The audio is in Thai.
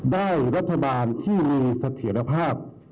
ได้รัฐบาลที่มีเสถียรภาพ